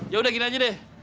yaudah gini aja deh